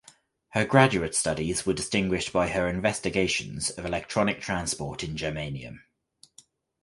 Her graduate studies were distinguished by her investigations of electronic transport in germanium.